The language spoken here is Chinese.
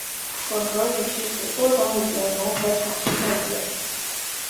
混合语是指多种语言融合产生的语言。